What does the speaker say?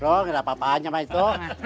loh gak ada apa apaan sama itu